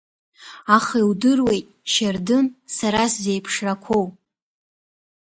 Аха иудыруеит, Шьардын, сара сзеиԥшрақуоу…